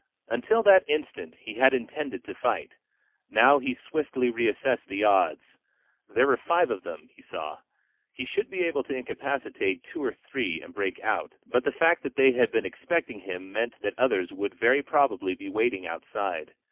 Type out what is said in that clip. Until that instant he had intended to fight. Now he swiftly reassessed the odds. There were five of them, he saw. He should be able to incapacitate two or three and break out. But the fact that they had been expecting him meant that others would very probably be waiting outside.